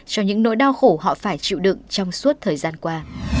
cho những nỗi đau khổ họ phải chịu đựng trong suốt thời gian qua